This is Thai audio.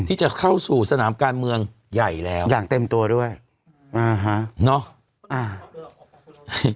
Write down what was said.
ที่จะเข้าสู่สนามการเมืองใหญ่แล้วอย่างเต็มตัวด้วยอ่าฮะเนอะอ่า